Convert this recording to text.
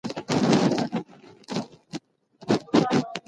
وروسته ورغلم، هغه پخپله درسي حلقه کي وو، ما سلام ورته ووايه